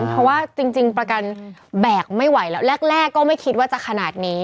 เพราะว่าจริงประกันแบกไม่ไหวแล้วแรกก็ไม่คิดว่าจะขนาดนี้